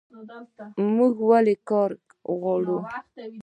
موږ ولې کار غواړو؟